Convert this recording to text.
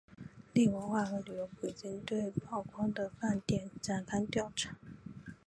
另文化和旅游部已经对被曝光的饭店展开调查。